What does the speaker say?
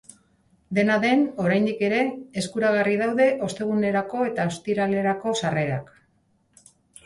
Dena den, oraindik ere eskuragarri daude ostegunerako eta ostiraleko sarrerak.